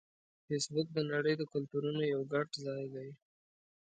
فېسبوک د نړۍ د کلتورونو یو ګډ ځای دی